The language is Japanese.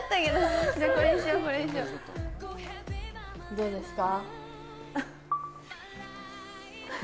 どうですか？